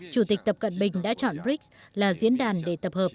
chủ tịch tập cận bình đã chọn brics là diễn đàn để tập hợp